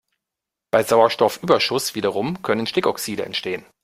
Bei Sauerstoffüberschuss wiederum können Stickoxide entstehen.